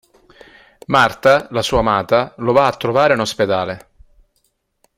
Marta, la sua amata, lo va a trovare in ospedale.